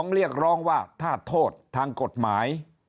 เรียกร้องว่าถ้าโทษทางกฎหมาย